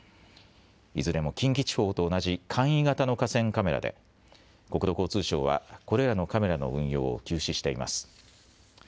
いずれも近畿地方と同じ簡易型の河川カメラで国土交通省はこれらのカメラの運用を休止しています。